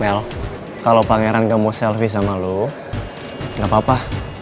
mel kalau pangeran gak mau selfie sama lu gak apa apa